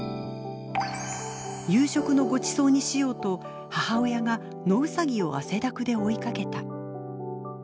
「夕食のごちそうにしようと母親が野うさぎを汗だくで追いかけた」。